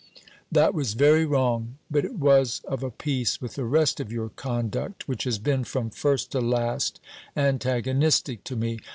"That was very wrong; but it was of a piece with the rest of your conduct, which has been from first to last antagonistic to me.